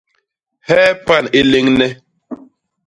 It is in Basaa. Hee pan i léñne?